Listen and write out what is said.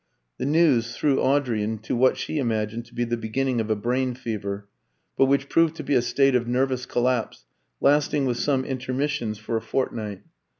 The news threw Audrey into what she imagined to be the beginning of a brain fever, but which proved to be a state of nervous collapse, lasting, with some intermissions, for a fortnight.